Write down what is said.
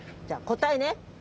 じゃあ答えね。